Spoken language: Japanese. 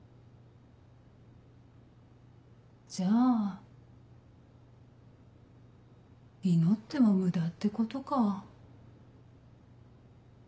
じゃあ祈っても無駄ってことか。